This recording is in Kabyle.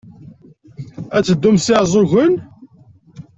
Ad teddum s Iɛeẓẓugen?